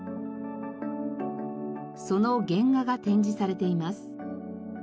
その原画が展示されています。